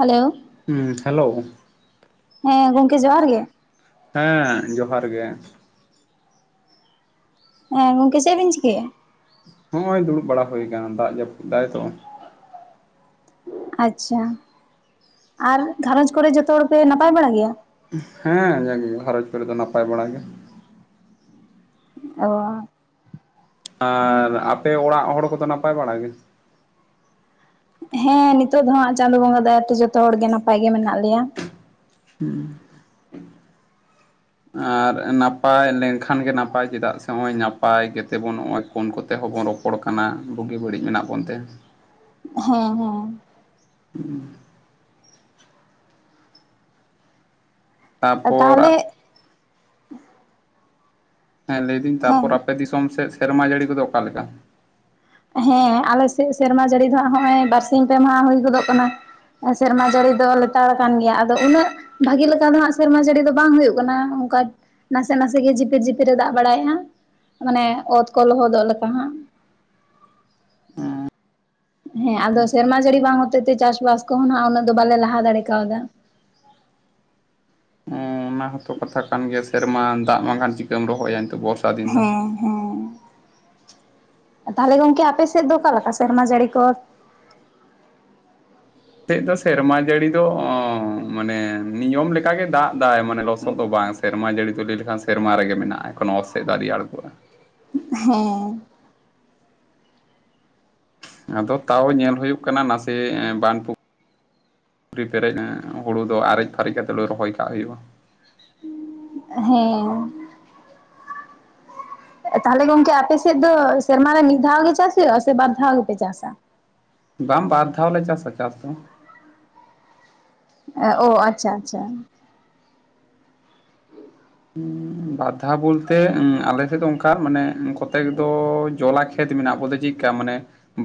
Hello. ᱦᱩᱸ hello. ᱦᱮᱸ ᱜᱚᱝᱠᱮ ᱡᱚᱦᱟᱨ ᱜᱮ ᱾ ᱦᱮᱸᱻ ᱡᱚᱦᱟᱨ ᱜᱮ ᱾ ᱦᱮᱸ ᱜᱚᱝᱠᱮ ᱪᱮᱫ ᱵᱤᱱ ᱪᱤᱠᱟᱹᱭᱮᱜ-ᱟ? ᱦᱚᱸᱜ-ᱚᱭ ᱫᱩᱲᱩᱵ ᱵᱟᱲᱟ ᱦᱳᱭ ᱟᱠᱟᱱᱟ ᱫᱟᱜ ᱡᱟᱹᱯᱩᱫ ᱫᱟᱭ ᱛᱚ ᱾ [unintelligible] ᱟᱪᱪᱷᱟ, ᱟᱨ ᱜᱷᱟᱨᱚᱸᱡᱽ ᱠᱚᱨᱮ ᱡᱷᱚᱛᱚ ᱦᱚᱲᱯᱮ ᱱᱟᱯᱟᱭ ᱵᱟᱲᱟ ᱜᱮᱭᱟ? ᱦᱮᱸ ᱡᱟᱜᱜᱮ ᱜᱷᱟᱨᱚᱸᱡᱽ ᱠᱚᱨᱮ ᱫᱚ ᱱᱟᱯᱟᱭ ᱵᱟᱲᱟ ᱜᱮ ᱾ ᱚᱻ᱾ ᱟᱨ ᱟᱯᱮ ᱚᱲᱟᱜ ᱦᱚᱲ ᱠᱚᱫᱚ ᱱᱟᱯᱟᱭ ᱵᱟᱲᱟ ᱜᱮ? ᱦᱮᱸ ᱱᱤᱛᱚᱜ ᱫᱚ ᱦᱟᱸᱜ ᱪᱟᱸᱫᱳ ᱵᱚᱸᱜᱟ ᱫᱟᱭᱟ ᱛᱮ ᱡᱚᱛᱚ ᱦᱚᱲ ᱜᱮ ᱱᱟᱯᱟᱭ ᱜᱮ ᱢᱮᱱᱟᱜ ᱞᱮᱭᱟ ᱾ ᱦᱩᱸᱜ- ᱩᱸ᱾ [inaudible] ᱟᱨ ᱱᱟᱯᱟᱭ ᱞᱮᱝᱠᱷᱟᱱ ᱜᱮ ᱱᱟᱯᱟᱭ ᱪᱮᱫᱟᱜ ᱥᱮ ᱱᱚᱜᱼᱚᱭ ᱱᱟᱯᱟᱭ ᱜᱮᱛᱮᱵᱚᱱ ᱱᱚᱜᱼᱚᱭ ᱯᱷᱳᱱ ᱠᱚᱛᱮ ᱦᱚᱸ ᱵᱚᱱ ᱨᱚᱯᱚᱲ ᱠᱟᱱᱟ ᱵᱩᱜᱤ ᱵᱟᱹᱲᱤᱡ ᱢᱮᱱᱟᱜ ᱵᱚᱱ ᱛᱮ᱾ ᱦᱮᱸ ᱦᱮᱸ᱾ ᱦᱩᱸ᱾ ᱛᱟᱯᱚᱨ ᱛᱟᱦᱚᱞᱮ ᱦᱮᱸ ᱞᱟᱹᱭᱫᱟᱹᱧ ᱦᱮᱸ ᱛᱟᱯᱚᱨ ᱟᱯᱮ ᱫᱤᱥᱚᱢ ᱥᱮᱫ ᱥᱮᱨᱢᱟ ᱡᱟᱹᱲᱤ ᱠᱚᱫᱚ ᱚᱠᱟ ᱞᱮᱠᱟ? ᱦᱮᱸ ᱟᱞᱮ ᱥᱮᱫ ᱥᱮᱨᱢᱟ ᱡᱟᱹᱲᱤ ᱫᱚ ᱦᱟᱸᱜ ᱦᱚᱸᱜ-ᱚᱭ ᱵᱟᱨᱥᱤᱧ ᱯᱮ ᱢᱟᱦᱟ ᱦᱩᱭ ᱜᱚᱫᱚᱜ ᱠᱟᱱᱟ᱾ ᱮᱸ ᱥᱮᱨᱢᱟ ᱡᱟᱹᱲᱤ ᱫᱚ ᱞᱮᱛᱟᱲ ᱠᱟᱱ ᱜᱮᱭᱟ ᱟᱫᱚ ᱩᱱᱟᱹᱜ ᱵᱷᱟᱜᱮ ᱞᱮᱠᱟ ᱫᱚ ᱦᱟᱸᱜ ᱥᱮᱨᱢᱟ ᱡᱟᱹᱲᱤ ᱫᱚ ᱵᱟᱝ ᱦᱩᱭᱩᱜ ᱠᱟᱱᱟ ᱚᱝᱠᱟ ᱱᱟᱥᱮ ᱱᱟᱥᱮ ᱜᱮ ᱡᱷᱤᱯᱤᱨ ᱡᱷᱤᱯᱤ ᱨᱮ ᱫᱟᱜ ᱵᱟᱲᱟᱭᱮᱜᱼᱟ, ᱢᱟᱱᱮ ᱚᱛ ᱠᱚ ᱞᱚᱦᱚᱫᱚᱜ ᱞᱮᱠᱟ ᱦᱟᱸᱜ᱾ ᱦᱮᱸ ᱟᱫᱚ ᱥᱮᱨᱢᱟ ᱡᱟᱹᱲᱤ ᱵᱟᱝ ᱦᱚᱛᱮ ᱛᱮ ᱪᱟᱥᱵᱟᱥ ᱠᱚᱦᱚᱸ ᱱᱟᱦᱟᱜ ᱩᱱᱟᱹᱜ ᱫᱚ ᱵᱟᱞᱮ ᱞᱟᱦᱟ ᱫᱟᱲᱮ ᱠᱟᱣᱫᱟ᱾ ᱚᱸ ᱚᱱᱟ ᱦᱚᱸ ᱛᱚ ᱠᱟᱛᱷᱟ ᱠᱟᱱ ᱜᱮᱭᱟ ᱥᱮᱨᱢᱟ ᱫᱟᱜ ᱵᱟᱝᱠᱷᱟᱱ ᱪᱤᱠᱟᱹᱢ ᱨᱚᱦᱚᱭᱟ ᱱᱤᱛᱚᱜ ᱵᱚᱨ ᱦᱮᱸ᱾ ᱦᱮᱸ, ᱟᱨ ᱛᱟᱦᱚᱞᱮ ᱜᱚᱝᱠᱮ ᱟᱯᱮ ᱥᱮᱫ ᱫᱚ ᱚᱠᱟ ᱞᱮᱠᱟ ᱥᱮᱨᱢᱟ ᱡᱟᱹᱲᱤ ᱠᱚ? ᱛᱮᱫ ᱫᱚ ᱥᱮᱨᱢᱟ ᱡᱟᱹᱲᱤ ᱫᱚ ᱢᱟᱱᱮ ᱱᱤᱭᱚᱢ ᱞᱮᱠᱟᱜᱮ ᱫᱟᱜ ᱫᱟᱭ ᱢᱟᱱᱮ ᱞᱚᱥᱚᱫ ᱫᱚ ᱵᱟᱝ ᱥᱮᱨᱢᱟ ᱡᱟᱹᱲᱤ ᱫᱚ ᱞᱟᱹᱭ ᱞᱮᱠᱷᱟᱱ ᱥᱮᱨᱢᱟ ᱨᱮᱜᱮ ᱢᱮᱱᱟᱜᱼᱟ ᱮᱠᱷᱚᱱᱚ ᱚᱛ ᱥᱮᱫ ᱫᱚ ᱟᱹᱣᱨᱤ ᱟᱬᱜᱚᱜᱼᱟ᱾ ᱦᱮᱸ᱾ ᱟᱫᱚ ᱛᱟᱣ ᱧᱮᱞ ᱦᱩᱭᱩᱜ ᱠᱟᱱᱟ ᱱᱟᱥᱮ ᱵᱟᱱᱫᱷ ᱯᱩ ᱠᱷᱨᱤ ᱯᱮᱨᱮᱡ ᱮᱸᱻ ᱦᱩᱲᱩ ᱫᱚ ᱟᱨᱮᱡ ᱯᱷᱟᱨᱮᱡ ᱠᱟᱛᱮ ᱨᱚᱦᱚᱭ ᱠᱟᱜ ᱦᱩᱭᱩᱜᱼᱟ᱾ ᱦᱮᱸ᱾ ᱛᱟᱦᱚᱞᱮ ᱜᱚᱝᱠᱮ ᱟᱯᱮ ᱥᱮᱫ ᱫᱚ ᱥᱮᱨᱢᱟ ᱨᱮ ᱢᱤᱫ ᱫᱷᱟᱣ ᱜᱮ ᱪᱟᱥ ᱦᱩᱭᱩᱜ-ᱟ ᱥᱮ ᱵᱟᱨ ᱫᱷᱟᱣ ᱜᱮᱯᱮ ᱪᱟᱥᱟ? ᱵᱟᱝ ᱵᱟᱨ ᱫᱷᱟᱣ ᱞᱮ ᱪᱟᱥᱟ ᱪᱟᱥ ᱫᱚ᱾ ᱮ ᱳ ᱟᱪᱪᱷᱟ ᱟᱪᱪᱷᱟ᱾ ᱩᱸᱻ ᱵᱟᱨ ᱫᱷᱟᱣ ᱵᱚᱞᱛᱮ ᱩᱸ ᱟᱞᱮ ᱥᱮᱫ ᱫᱚ ᱚᱱᱠᱟ ᱢᱟᱱᱮ ᱠᱚᱛᱮᱠ ᱫᱚ ᱡᱚᱞᱟ ᱠᱷᱮᱛ ᱢᱮᱱᱟᱜ-ᱟ ᱵᱚᱞᱛᱮ ᱪᱮᱫᱠᱟ ᱢᱟᱱᱮ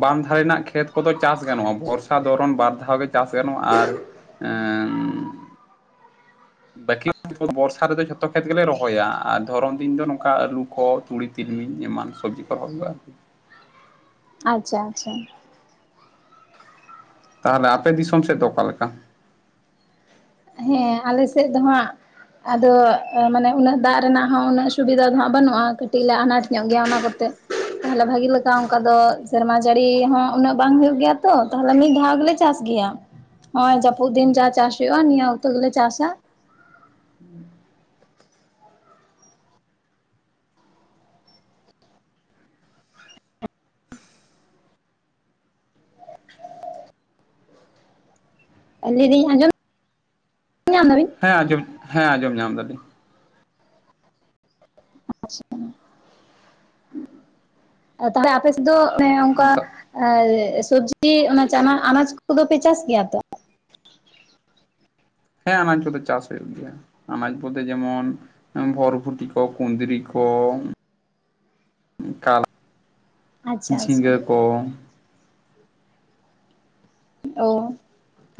ᱵᱟᱱᱫᱷ ᱫᱷᱟᱨᱮ ᱨᱮᱱᱟᱜ ᱠᱷᱮᱛ ᱠᱚᱫᱚ ᱪᱟᱥ ᱜᱟᱱᱚᱜᱼᱟ ᱵᱚᱨᱥᱟ, ᱫᱷᱚᱨᱚᱱ ᱵᱟᱨ ᱫᱷᱟᱣ ᱜᱮ ᱪᱟᱥ ᱜᱟᱱᱚᱜᱼᱟ ᱟᱨ ᱮᱢᱸ ᱵᱟᱹᱠᱤ ᱠᱷᱮᱛ ᱠᱚ ᱵᱚᱨᱥᱟ ᱨᱮᱫᱚ ᱡᱷᱚᱛᱚ ᱠᱷᱮᱛ ᱜᱮᱞᱮ ᱨᱚᱦᱚᱭᱟ ᱟᱨ ᱫᱷᱚᱨᱚᱢ ᱫᱤᱱ ᱫᱚ ᱱᱚᱝᱠᱟ ᱟᱹᱞᱩ ᱠᱚ ᱛᱩᱲᱤ ᱛᱤᱞᱢᱤᱧ ᱮᱢᱟᱱ ᱥᱚᱵᱡᱤ ᱠᱚ ᱨᱚᱦᱚᱭᱟ ᱟᱨᱠᱤ ᱟᱪᱪᱷᱟ ᱟᱪᱪᱷᱟ ᱛᱟᱦᱚᱞᱮ ᱟᱯᱮ ᱫᱤᱥᱚᱢ ᱥᱮᱫ ᱫᱚ ᱚᱠᱟ ᱞᱮᱠᱟ? ᱦᱮᱸ ᱟᱞᱮ ᱥᱮᱫ ᱫᱚ ᱦᱟᱸᱜ ᱟᱫᱚ ᱢᱟᱱᱮ ᱩᱱᱟᱹᱜ ᱫᱟᱜ ᱨᱮᱱᱟᱜ ᱦᱚᱸ ᱩᱱᱟᱹᱜ ᱥᱩᱵᱤᱫᱷᱟ ᱫᱚ ᱦᱟᱸᱜ ᱵᱟᱹᱱᱩᱜᱼᱟ ᱠᱟᱹᱴᱤᱡ ᱞᱮ ᱟᱱᱟᱴ ᱧᱚᱜ ᱜᱮᱭᱟ ᱚᱱᱟ ᱠᱚᱛᱮ ᱛᱟᱦᱚᱞᱮ ᱵᱷᱟᱜᱤ ᱞᱮᱠᱟ ᱚᱱᱠᱟ ᱫᱚ ᱥᱮᱨᱢᱟ ᱡᱟᱹᱲᱤ ᱦᱚᱸ ᱩᱱᱟᱹᱜ ᱵᱟᱝ ᱦᱩᱭᱩᱜ ᱜᱮᱭᱟ ᱛᱚ᱾ ᱛᱟᱦᱚᱞᱮ ᱢᱤᱫ ᱫᱷᱟᱣ ᱜᱮᱞᱮ ᱪᱟᱥ ᱜᱮᱭᱟ ᱱᱚᱜᱚᱭ ᱡᱟᱹᱯᱩᱫ ᱫᱤᱱ ᱡᱟ ᱪᱟᱥ ᱦᱩᱭᱩᱜ-ᱟ ᱱᱤᱭᱟᱹ ᱚᱠᱛᱚ ᱜᱮᱞᱮ ᱪᱟᱥᱟ ᱞᱟᱹᱭᱫᱤᱧ ᱟᱸᱡᱚᱢ ᱧᱟᱢ ᱫᱟᱵᱤᱱ ᱦᱮᱸ ᱟᱸᱡᱚᱢ ᱦᱮᱸ ᱟᱸᱡᱚᱢ ᱧᱟᱢ ᱫᱟᱞᱤᱧ ᱟᱪᱪᱷᱟ ᱛᱟᱦᱚᱞᱮ ᱟᱯᱮ ᱥᱮᱫ ᱫᱚ ᱚᱱᱮ ᱚᱱᱠᱟ ᱮᱸ ᱥᱚᱵᱡᱤ ᱚᱱᱟ ᱪᱟᱱᱟ ᱟᱱᱟᱡ ᱠᱚᱫᱚᱯᱮ ᱪᱟᱥ ᱜᱮᱭᱟ ᱛᱚ ᱦᱮᱸ ᱟᱱᱟᱡ ᱠᱚᱫᱚ ᱪᱟᱥ ᱦᱩᱭᱩᱜ ᱜᱮᱭᱟ᱾ ᱟᱱᱟᱡ ᱵᱚᱞᱛᱮ ᱡᱮᱢᱚᱱ ᱵᱷᱚᱨᱵᱷᱩᱴᱤ ᱠᱚ ᱠᱩᱸᱱᱫᱽᱨᱤ ᱠᱚ ᱚᱱᱠᱟ ᱟᱪᱪᱷᱟ ᱟᱪᱪᱷᱟ ᱡᱷᱤᱸᱜᱟᱹ ᱠᱚ ᱳ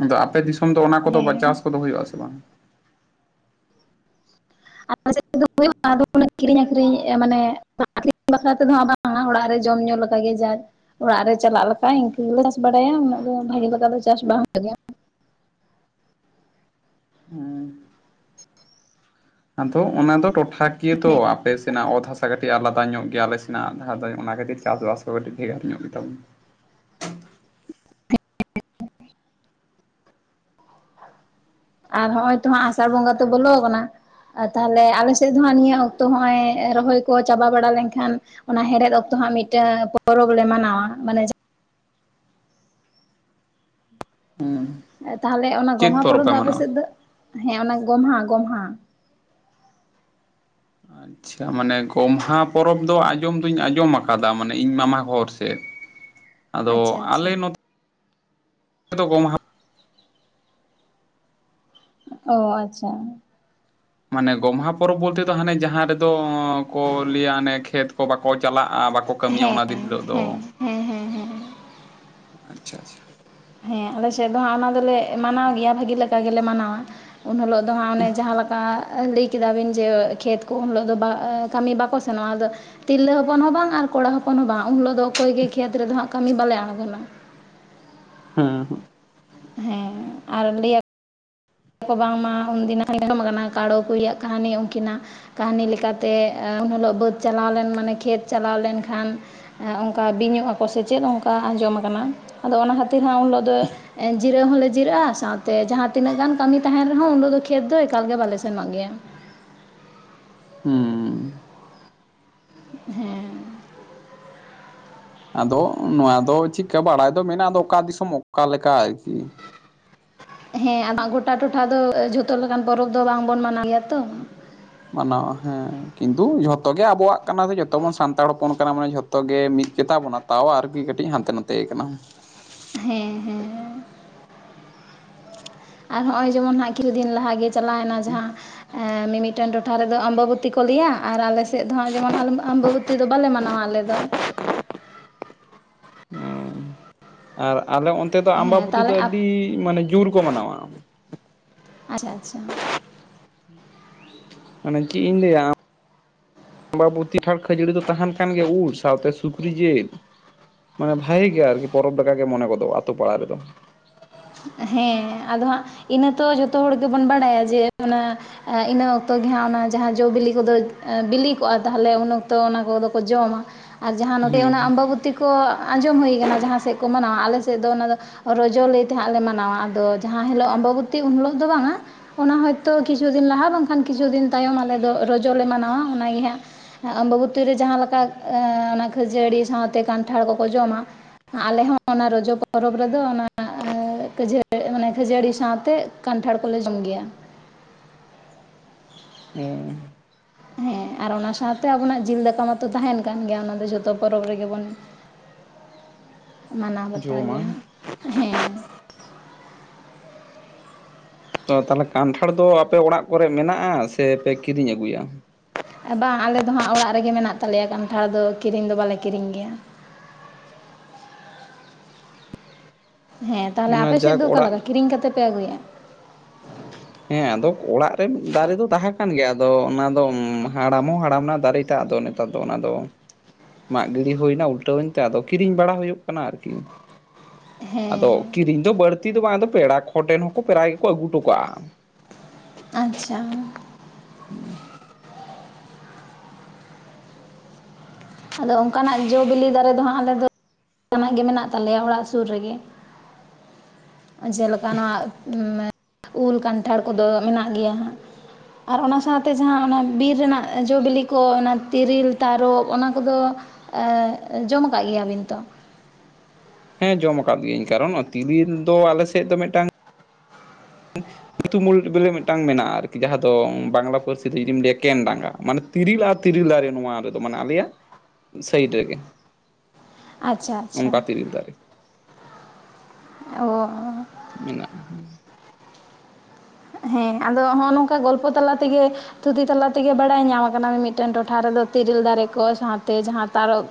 ᱟᱫᱚ ᱟᱯᱮ ᱫᱤᱥᱚᱢ ᱫᱚ ᱚᱱᱟ ᱠᱚᱫᱚ ᱵᱟ ᱪᱟᱥ ᱠᱚᱫᱚ ᱦᱩᱭᱩᱜ ᱟᱥᱮ ᱵᱟᱝ ᱟᱞᱮ ᱥᱮᱫ ᱫᱚ ᱦᱩᱭᱩᱜ-ᱟ ᱟᱫᱚ ᱩᱱᱟᱹᱜ ᱠᱤᱨᱤᱧ ᱟᱠᱷᱨᱤᱧ ᱢᱟᱱᱮ ᱟᱹᱠᱷᱨᱤᱧ ᱵᱟᱠᱷᱨᱟ ᱛᱮᱫᱚᱜ ᱵᱟᱝ-ᱟ ᱚᱲᱟᱜ ᱨᱮ ᱡᱚᱢ ᱧᱩ ᱞᱮᱠᱟᱜᱮ ᱡᱟ ᱚᱲᱟᱜ ᱨᱮ ᱪᱟᱞᱟᱜ ᱞᱮᱠᱟ ᱤᱱᱠᱟᱹ ᱜᱮᱞᱮ ᱪᱟᱥ ᱵᱟᱲᱟᱭᱟ ᱩᱱᱟᱹᱜ ᱫᱚ ᱵᱷᱟᱜᱤ ᱞᱮᱠᱟ ᱫᱚ ᱪᱟᱥ ᱵᱟᱝ ᱦᱩᱭᱩᱜ ᱜᱮᱭᱟ᱾ ᱟᱫᱚ ᱚᱱᱟ ᱫᱚ ᱴᱚᱴᱷᱟ ᱠᱤᱭᱟᱹ ᱛᱚ ᱟᱯᱮ ᱥᱮᱱᱟᱜ ᱚᱛ ᱦᱟᱥᱟ ᱠᱟᱹᱴᱤᱡ ᱟᱞᱟᱫᱟ ᱧᱚᱜ ᱜᱮᱭᱟ ᱟᱞᱮ ᱥᱮᱱᱟᱜ ᱟᱞᱟᱫᱟ ᱚᱱᱟ ᱠᱷᱟᱹᱛᱤᱨ ᱪᱟᱥᱵᱟᱥ ᱛᱚ ᱠᱟᱴᱤᱡ ᱵᱷᱮᱜᱟᱨ ᱧᱚᱜ ᱜᱮᱛᱟ ᱵᱚᱱᱟ ᱟᱨ ᱦᱚᱸᱜᱚᱭ ᱛᱚ ᱦᱟᱸᱜ ᱟᱥᱟᱲ ᱵᱚᱸᱜᱟ ᱛᱚ ᱦᱟᱜᱸ ᱵᱚᱞᱚ ᱟᱠᱟᱱᱟ ᱛᱟᱦᱚᱞᱮ ᱟᱞᱮ ᱥᱮᱫ ᱫᱚ ᱦᱟᱸᱜ ᱱᱤᱭᱟᱹ ᱚᱠᱛᱚ ᱦᱚᱜᱚᱭ ᱨᱚᱦᱚᱭ ᱠᱚ ᱪᱟᱵᱟ ᱵᱟᱲᱟ ᱞᱮᱱᱠᱷᱟᱱ ᱚᱱᱟ ᱦᱮᱲᱦᱮᱫ ᱚᱠᱛᱚ ᱦᱟᱸᱜ ᱢᱤᱫᱴᱮᱱ ᱯᱚᱨᱚᱵᱽ ᱞᱮ ᱢᱟᱱᱟᱣᱟ ᱢᱟᱱᱮ ᱦᱩᱸ ᱛᱟᱦᱚᱞᱮ ᱚᱱᱟ ᱪᱮᱫ ᱜᱚᱢᱦᱟ ᱯᱚᱨᱚᱵᱽ ᱯᱮ ᱫᱚ ᱟᱯᱮ ᱢᱟᱱᱟᱣᱟ? ᱥᱮᱫ ᱫᱚ ᱦᱮᱸ ᱚᱱᱟ ᱜᱚᱢᱦᱟ ᱜᱚᱢᱦᱟ ᱟᱪᱪᱷᱟ ᱢᱟᱱᱮ ᱜᱚᱢᱦᱟ ᱯᱚᱨᱚᱵᱽ ᱫᱚ ᱟᱸᱡᱚᱢ ᱫᱩᱧ ᱟᱸᱡᱚᱢ ᱟᱠᱟᱫᱟ ᱢᱟᱱᱮ ᱤᱧ ᱢᱟᱢᱟᱜᱷᱚᱨ ᱥᱮᱫ᱾ [inaudible] ᱟᱫᱚ ᱟᱪᱪᱷᱟ ᱟᱞᱮ ᱱᱚᱛᱮ ᱫᱚ ᱜᱚᱢᱦᱟ ᱚ ᱟᱪᱪᱷᱟ ᱢᱟᱱᱮ ᱜᱚᱢᱦᱟ ᱯᱚᱨᱚᱵᱽ ᱵᱚᱞᱛᱮ ᱫᱚ ᱦᱟᱱᱮ ᱡᱟᱦᱟᱸ ᱨᱮᱫᱚ ᱠᱚ ᱞᱟᱹᱭᱟ ᱦᱟᱱᱮ ᱠᱷᱮᱛ ᱠᱚ ᱵᱟᱠᱚ ᱪᱟᱞᱟᱜᱼᱟ ᱵᱟᱠᱚ ᱠᱟᱹᱢᱤᱭᱟ ᱚᱱᱟ ᱫᱤᱱ ᱦᱤᱞᱳᱜ ᱫᱚ᱾ ᱦᱮᱸ ᱦᱮᱸ ᱟᱪᱪᱷᱟ ᱟᱪᱪᱷᱟ ᱦᱮᱸ ᱟᱞᱮ ᱥᱮᱫ ᱫᱚ ᱦᱟᱸᱜ ᱚᱱᱟ ᱫᱚᱞᱮ ᱢᱟᱱᱟᱣ ᱜᱮᱭᱟ ᱵᱷᱟᱹᱜᱮ ᱞᱮᱠᱟ ᱜᱮᱞᱮ ᱢᱟᱱᱟᱣᱟ ᱩᱱ ᱦᱤᱞᱚᱜ ᱫᱚ ᱦᱟᱸᱜ ᱚᱱᱮ ᱡᱟᱦᱟᱸ ᱞᱮᱠᱟ ᱞᱟᱹᱭ ᱠᱮᱫᱟᱵᱤᱱ ᱡᱮ ᱠᱷᱮᱛ ᱠᱚ ᱩᱱ ᱦᱤᱞᱚᱜ ᱫᱚ ᱠᱟᱹᱢᱤ ᱵᱟᱠᱚ ᱥᱮᱱᱚᱜᱼᱟ ᱟᱫᱚ ᱛᱤᱨᱞᱟᱹ ᱦᱚᱯᱚᱱ ᱦᱚᱸ ᱵᱟᱝ ᱟᱨ ᱠᱚᱲᱟ ᱦᱚᱯᱚᱱ ᱦᱚᱸ ᱵᱟᱝ ᱩᱱ ᱦᱤᱞᱳᱜ ᱫᱚ ᱚᱠᱚᱭ ᱜᱮ ᱠᱷᱮᱛ ᱨᱮᱫᱚ ᱦᱟᱸᱜ ᱠᱟᱹᱢᱤ ᱵᱟᱞᱮ ᱟᱬᱜᱚᱱᱟ᱾ ᱦᱩᱸ ᱦᱩᱸ ᱦᱮᱸ ᱟᱨ ᱞᱟᱹᱭ ᱠᱚ ᱵᱟᱝᱢᱟ ᱩᱱᱫᱤᱱᱟᱜ ᱟᱡᱚᱢ ᱠᱟᱱᱟ ᱠᱟᱬᱳ ᱠᱩᱭᱟᱜ ᱠᱟᱦᱱᱤ ᱩᱱᱠᱤᱱᱟᱜ ᱠᱟᱹᱦᱱᱤ ᱞᱮᱠᱟᱛᱮ ᱩᱱᱦᱤᱞᱳᱜ ᱵᱟᱹᱫ ᱪᱟᱞᱟᱣ ᱞᱮᱱ ᱢᱟᱱᱮ ᱠᱷᱮᱛ ᱪᱟᱞᱟᱣ ᱞᱮᱱᱠᱷᱟᱱ ᱦᱮᱸ ᱚᱱᱠᱟ ᱵᱤᱧᱚᱜ ᱟᱠᱚ ᱥᱮᱪᱮᱫ ᱚᱱᱠᱟ ᱟᱸᱡᱚᱢ ᱟᱠᱟᱱᱟ ᱟᱫᱚ ᱚᱱᱟ ᱠᱷᱟᱹᱛᱤᱨ ᱦᱟᱜᱸ ᱩᱱ ᱦᱤᱞᱳᱜ ᱫᱚ ᱡᱤᱨᱟᱹᱣ ᱦᱚᱸᱞᱮ ᱡᱤᱨᱟᱹᱜᱼᱟ ᱥᱟᱶᱛᱮ ᱡᱟᱦᱟᱸ ᱛᱤᱱᱟᱹᱜ ᱜᱟᱱ ᱠᱟᱹᱢᱤ ᱛᱟᱦᱮᱱ ᱨᱮᱦᱚᱸ ᱩᱱ ᱦᱤᱞᱳᱜ ᱫᱚ ᱠᱷᱮᱛ ᱫᱚ ᱮᱠᱟᱞ ᱜᱮ ᱵᱟᱞᱮ ᱥᱮᱱᱚᱜ ᱜᱮᱭᱟ ᱾ ᱦᱩᱸ ᱾ ᱦᱮᱸ ᱾ ᱟᱫᱚ ᱱᱚᱣᱟ ᱫᱚ ᱪᱮᱜ ᱠᱟ ᱵᱟᱲᱟᱭ ᱫᱚ ᱢᱮᱱᱟᱜᱼᱟ ᱟᱫᱚ ᱚᱠᱟ ᱫᱤᱥᱚᱢ ᱚᱠᱟ ᱞᱮᱠᱟ ᱟᱨᱠᱤ ᱾ ᱦᱮᱸ ᱟᱢᱟᱜ ᱜᱚᱴᱟ ᱴᱚᱴᱷᱟ ᱫᱚ ᱡᱷᱚᱛᱚ ᱞᱮᱠᱟᱱ ᱯᱚᱨᱚᱵᱽ ᱫᱚ ᱵᱟᱝ ᱵᱚᱱ ᱢᱟᱱᱟᱣ ᱜᱮᱭᱟ ᱛᱚ ᱾ ᱢᱟᱱᱟᱣᱟ ᱦᱮᱸ ᱠᱤᱱᱛᱩ ᱡᱷᱚᱛᱚ ᱜᱮ ᱟᱵᱚᱣᱟᱜ ᱠᱟᱱᱟ ᱫᱚ ᱡᱚᱛᱚ ᱵᱚᱱ ᱥᱟᱱᱛᱟᱲ ᱦᱚᱯᱚᱱ ᱠᱟᱱᱟ ᱵᱚᱱ ᱢᱟᱱᱮ ᱡᱚᱛᱚ ᱜᱮ ᱢᱤᱫ ᱜᱮᱛᱟ ᱵᱚᱱᱟ ᱛᱟᱣ ᱟᱨᱠᱤ ᱠᱟᱹᱴᱤᱡ ᱦᱟᱱᱛᱮ ᱱᱟᱛᱮᱭᱟᱠᱟᱱᱟ ᱾ ᱦᱮᱸ ᱦᱮᱸ, ᱟᱨ ᱦᱚᱜᱼᱚᱭ ᱡᱮᱢᱚᱱ ᱦᱟᱸᱜ ᱠᱤᱪᱷᱩ ᱫᱤᱱ ᱞᱟᱦᱟ ᱜᱮ ᱪᱟᱞᱟᱣᱮᱱᱟ ᱡᱟᱦᱟᱸ ᱢᱤ-ᱢᱤᱫᱴᱮᱱ ᱴᱚᱴᱷᱟ ᱨᱮᱫᱚ ᱟᱢᱵᱟᱵᱚᱛᱤ ᱠᱚ ᱞᱟᱹᱭᱟ ᱟᱨ ᱟᱞᱮᱥᱮᱫ ᱫᱚ ᱦᱟᱜᱸ ᱡᱮᱢᱚᱱ ᱟᱢᱵᱟᱵᱚᱛᱤ ᱫᱚ ᱵᱟᱞᱮ ᱢᱟᱱᱟᱣᱟ ᱟᱞᱮ ᱫᱚ ᱾ ᱦᱩᱸ, ᱟᱨ ᱟᱞᱮ ᱚᱱᱛᱮ ᱫᱚ ᱦᱮᱸ ᱟᱢᱵᱟᱵᱚᱛᱤ ᱫᱚ ᱛᱟᱦᱚᱞᱮ ᱟᱯ ᱟᱹᱰᱤ ᱢᱟᱱᱮ ᱡᱩᱨ ᱠᱚ ᱢᱟᱱᱟᱣᱟ ᱾ [inaudible] ᱟᱪᱪᱷᱟ ᱟᱪᱪᱷᱟ ᱾ ᱢᱟᱱᱮ ᱪᱮᱫ ᱤᱧ ᱞᱟᱹᱭᱟ ᱟᱢᱵᱟᱵᱚᱛᱤ [unintelligible] ᱠᱷᱟᱲ ᱠᱷᱟᱹᱡᱟᱹᱲᱤ ᱫᱚ ᱛᱟᱦᱮᱱ ᱠᱟᱱ ᱜᱮᱭᱟ, ᱩᱞ ᱥᱟᱶᱛᱮ ᱥᱩᱠᱨᱤ ᱡᱮᱞ ᱾ ᱢᱟᱱᱮ ᱵᱷᱟᱜᱮ ᱜᱮ ᱟᱨᱠᱤ ᱯᱚᱨᱚᱵᱽ ᱞᱮᱠᱟ ᱜᱮ ᱢᱚᱱᱮ ᱜᱚᱫᱚᱜ-ᱟ ᱟᱛᱳ ᱯᱟᱲᱟ ᱨᱮᱫᱚ ᱾ ᱦᱮᱸ ᱟᱫᱚ ᱦᱟᱸᱜ ᱤᱱᱟᱹ ᱛᱚ ᱡᱚᱛᱚ ᱦᱚᱲ ᱜᱮᱵᱚᱱ ᱵᱟᱲᱟᱭᱟ ᱡᱮ ᱚᱱᱟ ᱤᱱᱟᱹ ᱚᱠᱛᱚ ᱜᱮ ᱦᱟᱸᱜ ᱚᱱᱟ ᱡᱟᱦᱟᱸ ᱡᱚ ᱵᱤᱞᱤ ᱠᱚᱫᱚ ᱵᱤᱞᱤ ᱠᱚᱜᱼᱟ ᱛᱟᱦᱞᱮ ᱩᱱ ᱚᱠᱛᱚ ᱚᱱᱟ ᱠᱚᱫᱚ ᱠᱚ ᱡᱚᱢᱟ ᱾ ᱟᱨ ᱡᱟᱦᱟᱸ ᱱᱚᱰᱮ ᱚᱱᱟ ᱦᱩᱸ ᱟᱢᱵᱟᱵᱚᱛ ᱵᱩᱛᱤ ᱠᱚ ᱟᱸᱡᱚᱢ ᱦᱩᱭ ᱟᱠᱟᱱᱟ ᱡᱟᱦᱟᱸ ᱥᱮᱫ ᱠᱚ ᱢᱟᱱᱟᱣᱟ ᱟᱞᱮ ᱥᱮᱫ ᱫᱚ ᱚᱱᱟ ᱫᱚ ᱨᱚᱡᱚ ᱞᱟᱹᱭ ᱦᱟᱸᱜ ᱞᱮ ᱢᱟᱱᱟᱣᱟ ᱟᱫᱚ ᱡᱟᱦᱟᱸ ᱦᱤᱞᱳᱜ ᱟᱢᱵᱟᱵᱚᱛᱤ ᱩᱱ ᱦᱤᱞᱳᱜ ᱫᱚ ᱵᱟᱝᱟ ᱾ ᱚᱱᱟ ᱦᱚᱭᱛᱳ ᱠᱤᱪᱷᱩ ᱫᱤᱱ ᱞᱟᱦᱟ ᱵᱟᱝᱠᱷᱟᱱ ᱠᱤᱪᱷᱩ ᱫᱤᱱ ᱛᱟᱭᱚᱢ ᱟᱞᱮ ᱫᱚ ᱨᱚᱡᱚ ᱞᱮ ᱢᱟᱱᱟᱣᱟ ᱚᱱᱟ ᱜᱮ ᱦᱟᱸᱜ ᱟᱢᱵᱟᱹᱵᱚᱛᱤ ᱫᱚ ᱡᱟᱦᱟ ᱞᱮᱠᱟ ᱚᱱᱟ ᱠᱷᱟᱹᱡᱟᱹᱲᱤ ᱥᱟᱶᱛᱮ ᱠᱟᱱᱴᱷᱟᱲ ᱠᱚᱠᱚ ᱡᱚᱢᱟ ᱟᱞᱮ ᱦᱚᱸ ᱚᱱᱟ ᱨᱚᱡᱚ ᱯᱚᱨᱚᱵᱽ ᱨᱮᱫᱚ ᱚᱱ ᱠᱷᱟᱹᱡᱟᱹ ᱢᱟᱱᱮ ᱠᱷᱟᱹᱡᱟᱹᱲᱤ ᱥᱟᱶᱛᱮ ᱠᱟᱱᱴᱷᱟᱲ ᱠᱚᱞᱮ ᱡᱚᱢ ᱜᱮᱭᱟ ᱾ ᱦᱩᱸ ᱾ ᱦᱮᱸ ᱟᱨ ᱚᱱᱟ ᱥᱟᱶᱛᱮ ᱟᱵᱚᱱᱟᱜ ᱡᱤᱞ ᱫᱟᱠᱟ ᱢᱟᱛᱚ ᱛᱟᱦᱮᱱ ᱠᱟᱱ ᱜᱮᱭᱟ ᱚᱱᱟ ᱫᱚ ᱡᱚᱛᱚ ᱯᱚᱨᱚᱵᱽ ᱨᱮᱜᱮ ᱵᱚᱱ ᱢᱟᱱᱟᱣ ᱵᱟᱛᱟᱣ ᱜᱮᱭᱟ ᱡᱚᱢᱟ ᱦᱟᱸᱜ ᱦᱮᱸ ᱾ ᱛᱚ ᱛᱟᱦᱚᱞᱮ ᱠᱟᱱᱴᱷᱟᱲ ᱫᱚ ᱟᱯᱮ ᱚᱲᱟᱜ ᱠᱚᱨᱮ ᱢᱮᱱᱟᱜᱼᱟ ᱥᱮ ᱯᱮ ᱠᱤᱨᱤᱧ ᱟᱹᱜᱩᱭᱟ? ᱵᱟᱝ ᱟᱞᱮ ᱫᱚ ᱦᱟᱸᱜ ᱚᱲᱟᱜ ᱨᱮᱜᱮ ᱢᱮᱱᱟᱜ ᱛᱟᱞᱮᱭᱟ ᱠᱟᱱᱴᱷᱟᱲ ᱫᱚ, ᱠᱤᱨᱤᱧ ᱫᱚ ᱵᱟᱞᱮ ᱠᱤᱨᱤᱧ ᱜᱮᱭᱟ ᱾ ᱦᱮᱸ, ᱛᱟᱦᱞᱮ ᱚᱱᱟ ᱟᱯᱮ ᱥᱮᱫ ᱡᱟᱠ ᱫᱚ ᱚᱠᱟ ᱞᱮᱠᱟ ᱚᱲᱟᱜ ᱠᱤᱨᱤᱧ ᱠᱟᱛᱮ ᱯᱮ ᱟᱹᱜᱩᱭᱟ? ᱦᱮᱸ ᱟᱫᱚ ᱚᱲᱟᱜ ᱨᱮ ᱫᱟᱨᱮ ᱫᱚ ᱛᱟᱦᱮᱸ ᱠᱟᱱ ᱜᱮᱭᱟ ᱟᱫᱚ ᱚᱱᱟ ᱫᱚ ᱦᱟᱲᱟᱢ ᱦᱚᱸ ᱦᱟᱲᱟᱢ ᱮᱱᱟ ᱫᱟᱨᱮ ᱴᱟᱜ ᱟᱫᱚ ᱱᱮᱛᱟᱨ ᱫᱚ ᱚᱱᱟ ᱫᱚ ᱢᱟᱜ ᱜᱤᱲᱤ ᱦᱩᱭᱱᱟ ᱩᱞᱴᱟᱹᱣᱮᱱ ᱛᱮ ᱟᱫᱚ ᱠᱤᱨᱤᱧ ᱵᱟᱲᱟ ᱦᱩᱭᱩᱜ ᱠᱟᱱᱟ ᱟᱨᱠᱤ ᱾ ᱟᱫᱚ ᱦᱮᱸ ᱠᱤᱨᱤᱧ ᱫᱚ ᱵᱟᱹᱲᱛᱤ ᱫᱚ ᱵᱟᱝ ᱟᱫᱚ ᱯᱮᱲᱟ ᱠᱚ ᱴᱷᱮᱱ ᱦᱚᱸᱠᱚ ᱯᱮᱨᱟᱭ ᱜᱮᱠᱚ ᱟᱹᱜᱩ ᱦᱚᱴᱚ ᱠᱟᱜᱼᱟ ᱾ ᱟᱪᱪᱷᱟ ᱾ ᱦᱩᱸ ᱾ ᱟᱫᱚ ᱚᱱᱠᱟᱱᱟᱜ ᱡᱚ ᱵᱤᱞᱤ ᱫᱟᱨᱮ ᱫᱚ ᱦᱟᱸᱜ ᱟᱞᱮ ᱫᱚ ᱢᱮᱱᱟᱜ ᱜᱮ ᱢᱮᱱᱟᱜ ᱛᱟᱞᱮᱭᱟ ᱚᱲᱟᱜ ᱥᱩᱨ ᱨᱮᱜᱮ ᱾ ᱡᱮᱞᱮᱠᱟ ᱱᱚᱣᱟ ᱩᱞ ᱠᱟᱱᱴᱷᱟᱲ ᱠᱚᱫᱚ ᱢᱮᱱᱟᱜ ᱜᱮᱭᱟ ᱦᱟᱸᱜ ᱾ ᱟᱨ ᱚᱱᱟ ᱥᱟᱶᱛᱮ ᱡᱟᱦᱟᱸ ᱚᱱᱟ ᱵᱤᱨ ᱨᱮᱱᱟᱜ ᱡᱚ ᱵᱤᱞᱤ ᱠᱚ ᱚᱱᱟ ᱛᱤᱨᱤᱞ, ᱛᱟᱨᱚᱵ ᱚᱱᱟ ᱠᱚᱫᱚ ᱮᱸ ᱡᱚᱢ ᱟᱠᱟᱜ ᱜᱮᱭᱟᱵᱤᱱ ᱛᱚ? ᱦᱮᱸ ᱡᱚᱢ ᱟᱠᱟᱫ ᱜᱤᱭᱟᱹᱧ, ᱠᱟᱨᱚᱱ ᱛᱤᱨᱤᱞ ᱫᱚ ᱟᱞᱮ ᱥᱮᱫ ᱫᱚ ᱢᱤᱫᱴᱟᱝ ᱧᱩᱛᱩᱢ ᱩᱞ ᱵᱮᱞᱮ ᱢᱤᱫᱴᱟᱝ ᱢᱮᱱᱟᱜᱼᱟ ᱟᱨᱠᱤ ᱡᱟᱦᱟᱸ ᱫᱚ ᱵᱟᱝᱞᱟ ᱯᱟᱹᱨᱥᱤ ᱫᱚ ᱡᱩᱫᱤᱢ ᱞᱟᱹᱭᱟ ᱠᱮᱱᱫᱰᱟᱸᱜᱟ ᱢᱟᱱᱮ ᱛᱤᱨᱤᱞ ᱟᱨ ᱛᱤᱨᱤᱞ ᱫᱟᱨᱮ ᱱᱚᱣᱟ ᱨᱮᱫᱚ ᱢᱟᱱᱮ ᱟᱞᱮᱭᱟᱜ ᱥᱟᱭᱤᱰ ᱨᱮᱜᱮ ᱾ ᱟᱪᱪᱷᱟ ᱟᱪᱪᱷᱟ, ᱤᱧ ᱫᱟᱨᱮ᱾ ᱚᱻ ᱢᱮᱱᱟᱜ ᱦᱩᱸ ᱦᱮᱸ ᱟᱫᱚ ᱱᱚᱜ-ᱚ ᱱᱚᱝᱠᱟ ᱜᱚᱞᱯᱚ ᱛᱟᱞᱟ ᱛᱮᱜᱮ ᱛᱷᱩᱛᱤ ᱛᱟᱞᱟ ᱛᱮᱜᱮ ᱵᱟᱲᱟᱭ ᱧᱟᱢ ᱟᱠᱟᱱᱟ ᱢᱤᱫᱴᱮᱱ ᱴᱚᱴᱷᱟ ᱨᱮᱫᱚ ᱛᱤᱨᱤᱞ ᱫᱟᱨᱮ ᱠᱚ ᱥᱟᱶᱛᱮ ᱡᱟᱦᱟᱸ ᱛᱟᱨᱚᱵ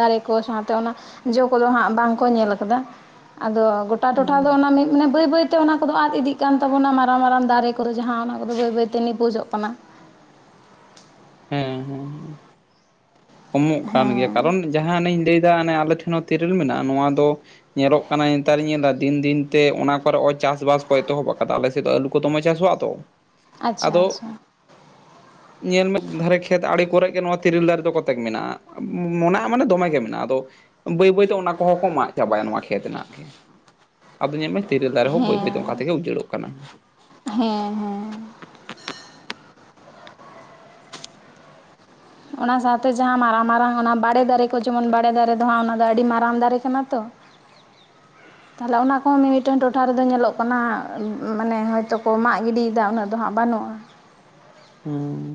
ᱫᱟᱨᱮ ᱠᱚ ᱥᱟᱶᱛᱮ ᱚᱱᱟ ᱡᱚ ᱠᱚᱫᱚ ᱦᱟᱸᱜ ᱵᱟᱝ ᱠᱚ ᱧᱮᱞ ᱟᱠᱟᱫᱟ᱾ ᱟᱫᱚ ᱜᱚᱴᱟ ᱴᱚᱴᱷᱟ ᱫᱚ ᱚᱱᱟ ᱵᱟᱹᱭ ᱵᱟᱹᱭᱛᱮ ᱚᱱᱟ ᱠᱚᱫᱚ ᱟᱫ ᱤᱫᱤᱜ ᱠᱟᱱ ᱛᱟᱵᱚᱱᱟ ᱢᱟ- ᱨᱟᱝ ᱢᱟᱨᱟᱝ ᱫᱟᱨᱮ ᱠᱚᱫᱚ ᱡᱟᱦᱟᱸ ᱚᱱᱟ ᱠᱚᱫᱚ ᱵᱟᱹᱭ ᱵᱟᱹᱭᱛᱮ ᱱᱤᱯᱩᱡᱚᱜ ᱠᱟᱱᱟ᱾ ᱦᱮᱸ ᱦᱮᱸ ᱦᱮᱸ, ᱠᱚᱢᱚᱜ ᱠᱟᱱ ᱜᱮᱭᱟ ᱦᱮᱸ ᱠᱟᱨᱚᱱ ᱡᱟᱦᱟᱸ ᱮᱱᱟᱝ ᱤᱧ ᱞᱟᱹᱭᱫᱟ ᱚᱱᱮ ᱟᱞᱮ ᱴᱷᱮᱱ ᱦᱚᱸ ᱛᱮᱨᱮᱞ ᱢᱮᱱᱟᱜ-ᱟ᱾ ᱱᱚᱣᱟ ᱫᱚ ᱧᱮᱞᱚᱜ ᱠᱟᱱᱟ ᱱᱮᱛᱟᱨ ᱤᱧ ᱧᱮᱞᱫᱟ ᱫᱤᱱ ᱫᱤᱱᱛᱮ ᱚᱱᱟ ᱠᱚᱨᱮ ᱪᱟᱥ-ᱵᱟᱥ ᱠᱚ ᱮᱛᱚᱦᱚᱵ ᱟᱠᱟᱫᱟ ᱟᱞᱮ ᱥᱮᱫ ᱫᱚ ᱟᱞᱩ᱾ ᱠᱚ ᱫᱚᱢᱮ ᱪᱟᱥᱚᱜ-ᱟ ᱛᱚ ᱟᱪᱪᱷᱟ ᱟᱫᱚ ᱟᱪᱪᱷᱟ ᱧᱮᱞ ᱢᱮ ᱫᱷᱟᱨᱮ ᱠᱷᱮᱛ ᱟᱲᱮ ᱠᱚᱨᱮ ᱜᱮ ᱱᱚᱣᱟ ᱛᱤᱨᱤᱞ ᱫᱟᱨᱮ ᱫᱚ ᱠᱚᱛᱮᱠ ᱢᱮᱱᱟᱜ-ᱟ, ᱢᱚᱱᱟᱜ-ᱟ ᱢᱟᱱᱮ ᱫᱚᱢᱮ ᱜᱮ ᱢᱮᱱᱟᱜ-ᱟ᱾ ᱟᱫᱚ ᱵᱟᱹᱭ ᱵᱟᱹᱭᱛᱮ ᱚᱱᱟ ᱠᱚᱦᱚᱸ ᱠᱚ ᱢᱟᱜ ᱪᱟᱵᱟᱭᱟ ᱱᱚᱣᱟ ᱠᱷᱮᱛ ᱨᱮᱱᱟᱜ ᱜᱮ᱾ [inaudible] ᱟᱫᱚ ᱧᱮᱞ ᱢᱮ ᱛᱮᱨᱮᱞ ᱫᱟᱨᱮ ᱦᱚᱸ ᱵᱟᱹᱭ ᱦᱮᱸ ᱵᱟᱹᱭᱛᱮ ᱚᱱᱠᱟ ᱛᱮᱜᱮ ᱩᱡᱟᱹᱲ-ᱚᱜ ᱠᱟᱱᱟ᱾ ᱦᱮᱸ ᱦᱮᱸ ᱚᱱᱟ ᱥᱟᱶᱛᱮ ᱡᱟᱦᱟᱸ ᱢᱟᱨᱟᱝ ᱢᱟᱨᱟᱝ ᱚᱱᱟ ᱵᱟᱲᱮ ᱫᱟᱨᱮ ᱠᱚ ᱡᱮᱢᱚᱱ ᱵᱟᱲᱮ ᱫᱟᱨᱮ ᱫᱚ ᱦᱟᱸᱜ ᱚᱱᱟ ᱫᱚ ᱟᱹᱰᱤ ᱢᱟᱨᱟᱝ ᱫᱟᱨᱮ ᱠᱟᱱᱟ ᱛᱚ᱾ [inaudible] ᱛᱟᱦᱚᱞᱮ ᱚᱱᱟ ᱠᱚᱦᱚᱸ ᱢᱤ-ᱢᱤᱫᱴᱮᱱ ᱴᱚᱴᱷᱟ ᱨᱮᱫᱚ ᱧᱮᱞᱚᱜ ᱠᱟᱱᱟ ᱢᱟᱱᱮ ᱦᱚᱭ ᱛᱚ ᱠᱚ ᱢᱟᱜ ᱜᱤᱰᱤᱭ ᱮᱫᱟ ᱩᱱᱟᱹᱜ ᱫᱚ ᱦᱟᱸᱜ ᱵᱟᱹᱱᱩᱜ-ᱟ᱾ ᱦᱩᱸ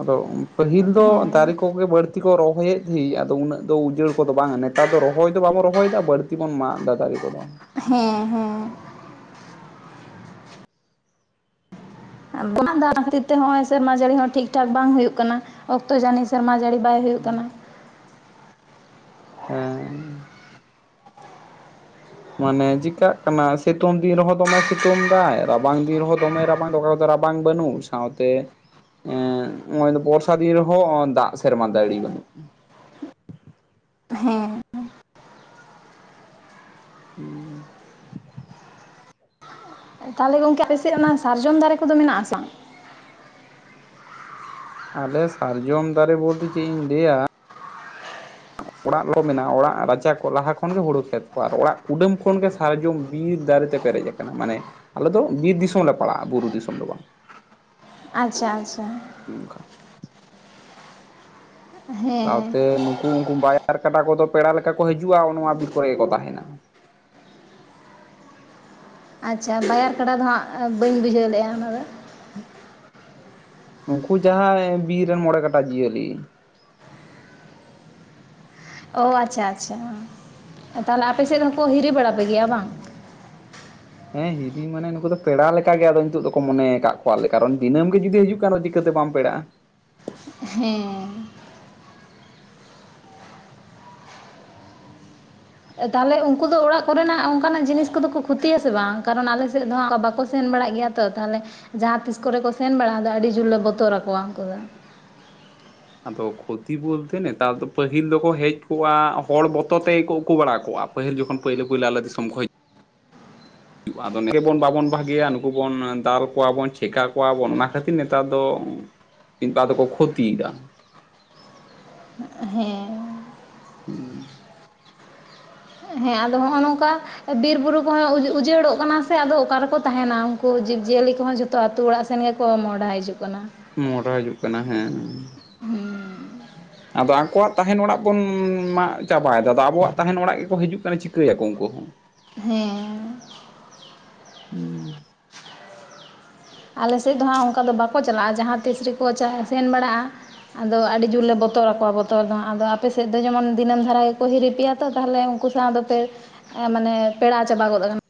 ᱟᱫᱚ ᱯᱟᱹᱦᱤᱞ ᱫᱚ ᱫᱟᱨᱮ ᱦᱮᱸ ᱠᱚᱜᱮ ᱵᱟᱹᱲ- ᱛᱤ ᱠᱚ ᱨᱚᱦᱚᱭ ᱮᱫ ᱫᱷᱤ ᱟᱫᱚ ᱩᱱᱟᱹᱜ ᱫᱚ ᱩᱡᱟᱹᱲ ᱠᱚᱫᱚ ᱵᱟᱝᱟ, ᱱᱮᱛᱟᱨ ᱫᱚ ᱨᱚᱦᱚᱭ ᱫᱚ ᱵᱟᱵᱚᱱ ᱨᱚᱦᱚᱭ ᱮᱫᱟ ᱵᱟᱹᱲ- ᱛᱤ ᱵᱚᱱ ᱢᱟᱜ ᱫᱟ ᱫᱟᱨᱮ ᱠᱚᱫᱚ᱾ ᱦᱮᱸ ᱦᱮᱸ ᱦᱩᱸ ᱚᱱᱟ [inaudible] ᱠᱷᱟᱹᱛᱤᱨ ᱛᱮ ᱦᱚᱸᱜ-ᱚᱭ ᱥᱮᱨᱢᱟ ᱡᱟᱹᱲᱤ ᱦᱚᱸ ᱴᱷᱤᱠ ᱴᱷᱟᱠ ᱵᱟᱝ ᱦᱩᱭᱩᱜ ᱠᱟᱱᱟ ᱚᱠ- ᱛᱚ ᱡᱟᱹᱱᱤ ᱥᱮᱨᱢᱟ ᱡᱟᱹᱲᱤ ᱵᱟᱭ ᱦᱩᱭᱩᱜ ᱠᱟᱱᱟ᱾ ᱮᱸᱻ ᱢᱟᱱᱮ ᱪᱮᱠᱟᱜ ᱠᱟᱱᱟ ᱥᱤᱛᱩᱝ ᱫᱤᱱ ᱨᱮᱦᱚᱸ ᱫᱚᱢᱮ ᱥᱤᱛᱩᱝ ᱫᱟᱭ, ᱨᱟᱵᱟᱝ ᱫᱤᱱ ᱨᱮᱦᱚᱸ ᱫᱚᱢᱮ ᱨᱟᱵᱟᱝ ᱮᱫᱟᱭ ᱚᱠᱟ ᱨᱟᱵᱟᱝ ᱵᱟᱹᱱᱩᱜ ᱥᱟᱶᱛᱮ᱾ ᱮᱸᱫ ᱱᱚᱭ-ᱚ ᱵᱚᱨᱥᱟ ᱫᱤᱱ ᱨᱮ ᱦᱚᱸ ᱫᱟᱜ ᱥᱮᱨᱢᱟ ᱡᱟᱹᱲᱤ ᱵᱟᱹᱱᱩᱜ᱾ ᱦᱮᱸ᱾ ᱩᱸᱻ ᱛᱟᱦᱚᱞᱮ ᱜᱚᱝᱠᱮ ᱟᱯᱮ ᱥᱮᱜ ᱨᱮᱢᱟ ᱥᱟᱨᱡᱚᱢ ᱫᱟᱨᱮ ᱠᱚᱫᱚ ᱢᱮᱱᱟᱜ-ᱟ ᱥᱮ ᱵᱟᱝ? ᱟᱞᱮ ᱥᱟᱨᱡᱚᱢ ᱫᱟᱨᱮ ᱵᱩᱞᱛᱮ ᱪᱮᱜ ᱤᱧ ᱞᱟᱹᱭᱟ᱾ ᱚᱲᱟᱜ ᱞᱚ ᱢᱮᱱᱟᱜ-ᱟ ᱚᱲᱟᱜ ᱨᱟᱪᱟ ᱠᱚ ᱞᱟᱦᱟ ᱠᱷᱚᱱ ᱜᱮ ᱦᱩᱲᱩ ᱠᱷᱮᱛ ᱠᱚ ᱟᱨ ᱚᱲᱟᱜ ᱠᱩᱰᱟᱹᱢ ᱠᱷᱚᱱ ᱜᱮ ᱥᱟᱨᱡᱚᱢ ᱵᱤᱨ ᱫᱟᱨᱮ ᱛᱮ ᱯᱮᱨᱮᱡ ᱟᱠᱟᱱᱟ ᱢᱟᱱᱮ ᱟᱞᱮ ᱫᱚ ᱵᱤᱨ ᱫᱤᱥᱚᱢ ᱞᱮ ᱯᱟᱲᱟᱜ-ᱟ ᱵᱩᱨᱩ ᱫᱤᱥᱚᱢ ᱫᱚ ᱵᱟᱝ᱾ ᱟᱪᱪᱷᱟ ᱟᱪᱷᱟ᱾ ᱩᱱᱠᱟ᱾ ᱦᱮᱸ ᱥᱟᱶᱛᱮ ᱱᱩᱠᱩ ᱩᱝᱠᱩ ᱵᱟᱭᱟᱨ ᱠᱟᱰᱟ ᱠᱚᱫᱚ ᱯᱮᱲᱟ ᱞᱮᱠᱟ ᱠᱚ ᱦᱤᱡᱩᱜ-ᱟ, ᱚ-ᱱᱟᱶᱟ ᱵᱤᱨ ᱠᱚᱨᱮ ᱜᱮᱠᱚ ᱛᱟᱦᱮᱱᱟ᱾ ᱟᱪᱪᱷᱟ ᱵᱟᱭᱟᱨ ᱠᱟᱰᱟ ᱫᱚ ᱦᱟᱸᱜ ᱵᱟᱹᱧ ᱵᱩᱡᱷᱟᱹᱣ ᱞᱮᱜ-ᱟ ᱚᱱᱟ ᱫᱚ᱾ ᱩᱱᱠᱩ ᱡᱟᱦᱟᱸᱭ ᱵᱤᱨ ᱨᱮᱱ ᱢᱚᱬᱮ ᱠᱟᱴᱟ ᱡᱤᱭᱟᱹᱞᱤ᱾ ᱚ ᱟᱪᱪᱷᱟ ᱟᱪᱪᱷᱟ, ᱛᱟᱦᱚᱞᱮ ᱟᱯᱮ ᱥᱮᱫ ᱦᱚᱸ ᱠᱚ ᱦᱤᱨᱤ ᱵᱟᱲᱟ ᱯᱮ ᱜᱮᱭᱟ ᱵᱟᱝ? ᱦᱮᱸ ᱦᱤᱨᱤ ᱢᱟᱱᱮ ᱱᱩᱠᱩ ᱫᱚ ᱯᱮᱲᱟ ᱞᱮᱠᱟ ᱜᱮ ᱟᱫᱚ ᱩᱱᱠᱩ ᱫᱚᱠᱚ ᱢᱚᱱᱮᱭ ᱠᱟᱜ ᱠᱚᱣᱟ ᱞᱮ ᱠᱟᱨᱚᱱ ᱫᱤᱱᱟᱹᱢ ᱜᱮ ᱡᱩᱫᱤ ᱦᱤᱡᱩᱜ ᱠᱟᱱ ᱨᱮ ᱪᱤᱠᱟᱹ ᱛᱮ ᱵᱟᱢ ᱯᱮᱲᱟᱜ-ᱟ᱾ ᱦᱮᱸ᱾ ᱮ ᱛᱟᱦᱚᱞᱮ ᱩᱱᱠᱩ ᱫᱚ ᱚᱲᱟᱜ ᱠᱚᱨᱮ ᱱᱟᱜ ᱚᱱᱠᱟ ᱱᱟᱜ ᱡᱤᱱᱤᱥ ᱠᱚᱫᱚ ᱠᱚ ᱠᱷᱚᱛᱤᱭᱟ ᱥᱮ ᱵᱟᱝ ᱠᱟᱨᱚᱱ ᱟᱞᱮ ᱥᱮᱜ ᱫᱚ ᱦᱟᱸᱜ ᱵᱟᱠᱚ ᱥᱮᱱ ᱵᱟᱲᱟᱜ ᱜᱮᱭᱟ ᱛᱚᱜ ᱛᱟᱦᱚᱞᱮ ᱡᱟᱦᱟᱸ ᱛᱤᱥ ᱠᱚᱨᱮ ᱠᱚ ᱥᱮᱱ ᱵᱟᱲᱟᱜ-ᱟ ᱟᱫᱚ ᱟᱰᱤ ᱡᱩᱨ ᱞᱮ ᱵᱚᱛᱚᱨ ᱟᱠᱚᱣᱟ ᱩᱱᱠᱩ ᱫᱚ᱾ ᱟᱫᱚ ᱠᱷᱚᱛᱤ ᱵᱩᱞᱛᱮ ᱱᱮᱛᱟᱨ ᱫᱚ ᱯᱟᱹᱦᱤᱞ ᱫᱚᱠᱚ ᱦᱮᱡ ᱠᱚᱜ-ᱟ ᱦᱚᱲ ᱵᱚᱛᱚᱨ ᱛᱮᱠᱚ ᱩᱠᱩ ᱵᱟᱲᱟ ᱠᱚᱜ-ᱟ ᱯᱟᱹᱦᱤᱞ ᱡᱚᱠᱷᱚᱱ ᱯᱟᱹᱭᱞᱟᱹ ᱯᱩᱭᱞᱟᱹ ᱟᱞᱮ ᱫᱤᱥᱚᱢ ᱠᱷᱚᱡ ᱟᱫᱚ ᱱᱮ ᱵᱚᱱ ᱵᱟᱵᱚᱱ ᱵᱷᱟᱹᱜᱤᱭᱟ ᱱᱩᱠᱩ ᱵᱚᱱ ᱫᱟᱞ ᱠᱚᱣᱟ ᱵᱚᱱ ᱪᱮᱠᱟ ᱠᱚᱣᱟ ᱵᱚᱱ ᱚᱱᱟ ᱠᱷᱟᱹᱛᱤᱨ ᱱᱮᱛᱟᱨ ᱫᱚ ᱢᱤᱫ ᱵᱟᱨ ᱫᱚᱠᱚ ᱠᱷᱚᱛᱤᱭ ᱮᱫᱟ᱾ ᱦᱮᱸ᱾ [inaudible] ᱦᱮᱸ ᱟᱫᱚ ᱦᱚᱸᱜᱚ ᱱᱚᱝᱠᱟ᱾ ᱮ ᱵᱤᱨ ᱵᱩᱨᱩ ᱠᱚᱦᱚᱸ ᱩᱡ ᱩᱡᱟᱹᱲᱚᱜ ᱠᱟᱱᱟ ᱥᱮ ᱟᱫᱚ ᱚᱠᱟ ᱨᱮᱠᱚ ᱛᱟᱦᱮᱱᱟ ᱩᱱᱠᱩ ᱡᱤᱵᱽᱼᱡᱤᱭᱟᱹᱞᱤ ᱠᱚᱦᱚᱸ ᱡᱚᱛ ᱛᱚ ᱟᱛᱩ ᱚᱲᱟᱜ ᱥᱮᱱ ᱜᱮᱠᱚ ᱢᱚᱦᱰᱟ ᱦᱤᱡᱩᱜ ᱠᱟᱱᱟ᱾ ᱢᱚᱦᱰᱟ ᱦᱤᱡᱩᱜ ᱠᱟᱱᱟ ᱦᱮᱸ᱾ ᱟᱫᱚ ᱟᱠᱚᱣᱟᱜ ᱛᱟᱦᱮᱱ ᱚᱲᱟᱜ ᱵᱚᱱ ᱢᱟᱜ ᱪᱟᱵᱟᱭ ᱫᱟ ᱟᱫᱚ ᱟᱵᱚᱣᱟᱜ ᱛᱟᱦᱮᱱ ᱚᱲᱟᱜ ᱜᱮᱠᱚ ᱦᱤᱡᱩᱜ ᱠᱟᱱᱟ ᱪᱤᱠᱟᱹ ᱭᱟᱠᱚ ᱩᱱᱠᱩ ᱦᱮᱸ᱾ ᱟᱞᱮ ᱥᱮᱜ ᱫᱚ ᱦᱟᱸᱜ ᱚᱱᱠᱟ ᱫᱚ ᱵᱟᱠᱚ ᱪᱟᱞᱟᱜ-ᱟ ᱡᱟᱦᱟᱸ ᱛᱤᱥ ᱨᱮᱠᱚ ᱪᱟᱦᱮ ᱥᱮᱱ ᱵᱟᱲᱟᱜ-ᱟ᱾ ᱟᱫᱚ ᱟᱰᱤ ᱡᱳᱨ ᱞᱮ ᱵᱚᱛᱚᱨ ᱟᱠᱚᱣᱟ ᱵᱚᱛᱚᱨ ᱫᱚ ᱦᱟᱸᱜ᱾ ᱟᱫᱚ ᱟᱯᱮ ᱥᱮᱜ ᱫᱚ ᱡᱮᱢᱚᱱ ᱫᱤᱱᱟᱹᱢ ᱫᱷᱟᱨᱟ ᱜᱮᱠᱚ ᱦᱤᱨᱤ ᱯᱮᱭᱟ ᱛᱚ ᱛᱟᱦᱚᱞᱮ ᱩᱱᱠᱩ ᱥᱟᱶ ᱫᱚᱯᱮ ᱢᱟᱱᱮ ᱯᱮᱲᱟ ᱪᱟᱵᱟ ᱜᱚᱫ ᱟᱠᱟᱱ᱾